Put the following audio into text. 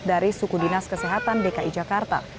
dari suku dinas kesehatan dki jakarta